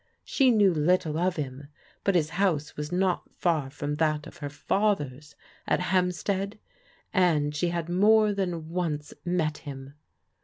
She knew little of him, but his house was not far from that of her father's at Hampstead, and she had more than once met him.